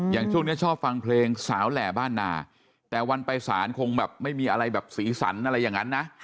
ช่วงนี้ชอบฟังเพลงสาวแหล่บ้านนาแต่วันไปสารคงแบบไม่มีอะไรแบบสีสันอะไรอย่างนั้นนะ